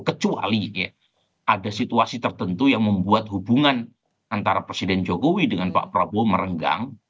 kecuali ada situasi tertentu yang membuat hubungan antara presiden jokowi dengan pak prabowo merenggang